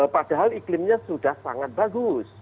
padahal iklimnya sudah sangat bagus